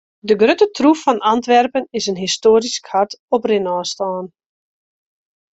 De grutte troef fan Antwerpen is in histoarysk hart op rinôfstân.